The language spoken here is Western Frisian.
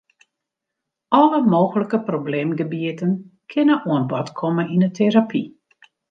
Alle mooglike probleemgebieten kinne oan bod komme yn 'e terapy.